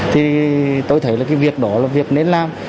thì tôi thấy việc đó là việc nên làm